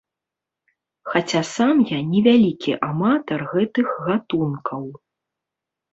Хаця сам я не вялікі аматар гэтых гатункаў.